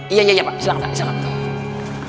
iya iya pak silahkan pak silahkan